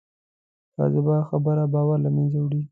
کاذبه خبره باور له منځه وړي